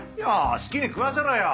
好きに食わせろよ！